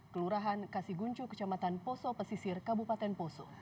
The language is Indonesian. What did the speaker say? kelurahan kasiguncu kecamatan poso pesisir kabupaten poso